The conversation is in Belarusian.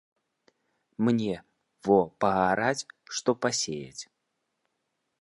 Мне во паараць, што пасеяць.